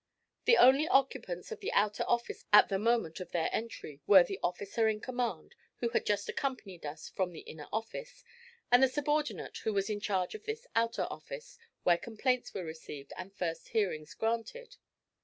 The only occupants of the outer office at the moment of their entry were the officer in command, who had just accompanied us from the inner office, and the subordinate who was in charge of this outer office, where complaints were received and first hearings granted.